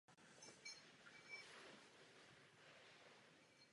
Poté se vojsko za zvuků hymny vydává do jistě vítězného dalšího boje.